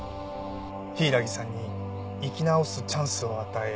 柊さんに生き直すチャンスを与え。